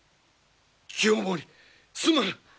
清盛すまぬ！